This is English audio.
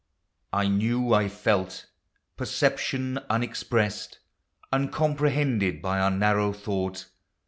I knew, I felt, (perception unexpressed, Uncomprehended by our narrow thought.